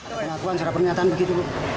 apa pengakuan secara pernyataan begitu